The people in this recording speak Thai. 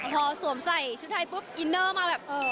พอสวมใส่ชุดไทยปุ๊บอินเนอร์มาแบบเออ